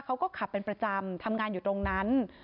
เขาก็ขับเป็นประจำทำงานอยู่ตรงนั้น